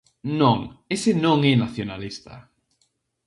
Non, ese non é nacionalista...